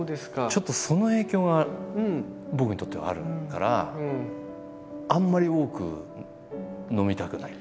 ちょっとその影響が僕にとってはあるからあんまり多く飲みたくない。